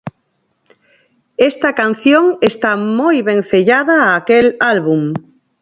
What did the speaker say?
Esta canción está moi vencellada a aquel álbum.